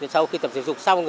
sau khi tập thể dục xong